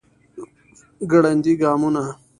ګړندي ګامونه